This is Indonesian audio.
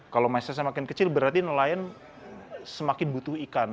kalau message nya makin kecil berarti nelayan semakin butuh ikan